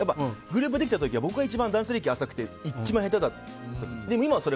グループができた時は僕が一番、ダンス歴が浅くて一番下手だったんです。